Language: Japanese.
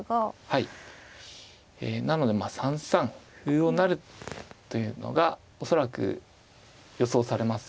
はいなので３三歩を成るというのが恐らく予想されます。